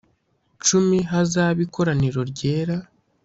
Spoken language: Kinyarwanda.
cumi hazabe ikoraniro ryera